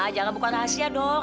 jangan buka rahasia dong